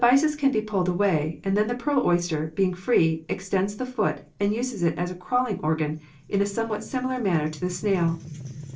The byssus can be pulled away, and then the pearl oyster, being free, extends the foot and uses it as a crawling organ in a somewhat similar manner to the snail.